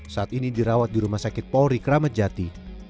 saat ini dirawat di rumah sakit polri krametjati